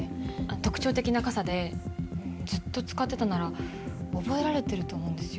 特徴的な傘でずっと使ってたなら覚えられてると思うんですよ。